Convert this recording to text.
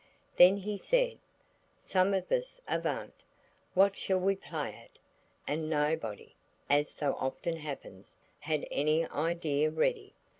Then he said– "Somnus, avaunt! What shall we play at?" and nobody, as so often happens, had any idea ready.